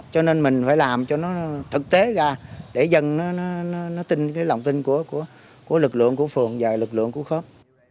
cho nên mình phải làm cho nó thực tế ra để dân nó tin cái lòng tin của lực lượng của phường và lực lượng của khớp